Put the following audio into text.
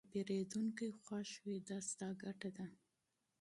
که پیرودونکی خوښ وي، دا ستا ګټه ده.